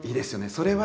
それは。